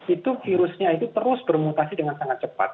itu virusnya itu terus bermutasi dengan sangat cepat